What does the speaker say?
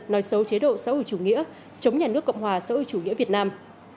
nói xấu chế độ xã hội chủ nghĩa chống nhà nước cộng hòa xã hội chủ nghĩa việt nam